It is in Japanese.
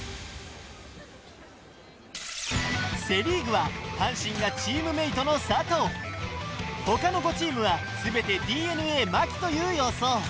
セ・リーグは阪神がチームメートの佐藤他の５チームは全てＤｅＮＡ・牧という予想